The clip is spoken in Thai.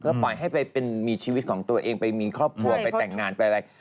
ก็ปล่อยให้ไปมีชีวิตของตัวเองไปมีครอบครัวไปแต่งงานไปอะไร